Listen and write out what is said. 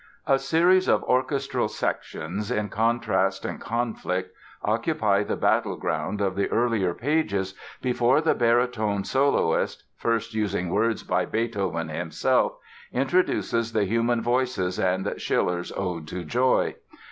A series of orchestral sections, in contrast and conflict, occupy the battleground of the earlier pages before the baritone soloist, first using words by Beethoven himself, introduces the human voices and Schiller's "Ode to Joy."